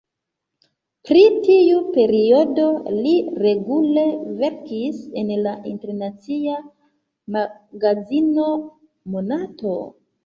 Pri tiu periodo li regule verkis en la internacia magazino Monato.